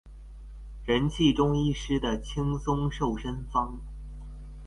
人氣中醫師的輕鬆瘦身方